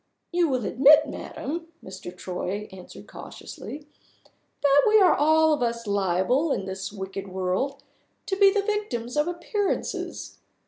"You will admit, madam," Mr. Troy answered cautiously, "that we are all of us liable, in this wicked world, to be the victims of appearances.